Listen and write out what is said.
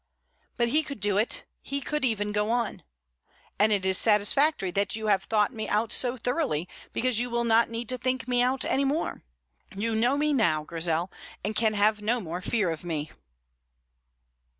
But he could do it; he could even go on: "And it is satisfactory that you have thought me out so thoroughly, because you will not need to think me out any more. You know me now, Grizel, and can have no more fear of me."